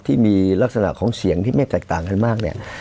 ที่มีลักษณะของเสียงที่ไม่แตกต่างกันมากเนี่ย